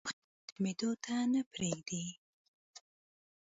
او ټوخی ختمېدو ته نۀ پرېږدي